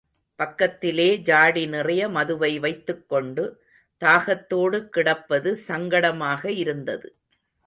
பக்கத்திலே ஜாடி நிறைய மதுவை வைத்துக் கொண்டு, தாகத்தோடு கிடப்பது சங்கடமாக இருந்தது.